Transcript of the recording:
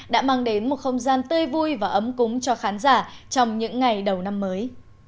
đã mang đến một không gian tươi vui và ấm cúng cho khán giả trong những ngày đầu năm mới